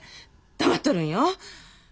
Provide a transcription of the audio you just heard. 黙っとるんよ。